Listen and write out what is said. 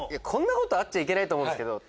あっちゃいけないと思うけど。